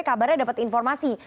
kabarnya dapat informasi